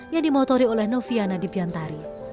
yang dimotori oleh novia nadip yantari